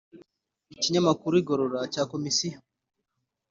Ikinyamakuru igorora cya Komisiyo